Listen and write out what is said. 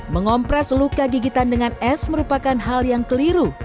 mengompres luka gigitan dengan es merupakan hal yang keliru